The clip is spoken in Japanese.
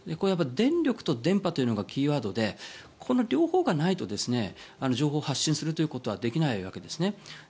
電力と電波というのがキーワードでこの両方がないと情報を発信するということはできないわけですね。